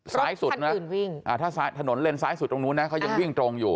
ซ้ายสุดนะรถท่านอื่นวิ่งอ่าถ้าสายถนนเลนซ้ายสุดตรงนู้นนะเขายังวิ่งตรงอยู่